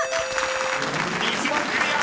［１問クリア！］